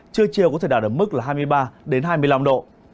trưa chiều có thể đạt được mức là hai mươi ba đến hai mươi năm độ